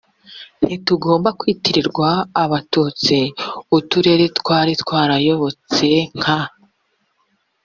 ntibigomba kwitirirwa abatutsi uturere twari twarayobotse nka